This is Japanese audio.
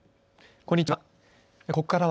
こんにちは。